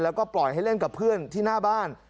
แล้วก็ปล่อยให้เล่นกับเพื่อนที่หน้าบ้าน